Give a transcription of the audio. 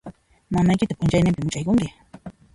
Mamaykita p'unchaynimpi much'aykunki.